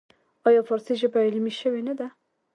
آیا فارسي ژبه علمي شوې نه ده؟